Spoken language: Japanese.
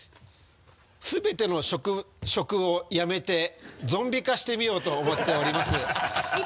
全ての食をやめてゾンビ化してみようと思っております。